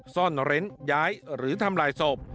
ซ่อนเร้นย้ายหรือทำลายศพ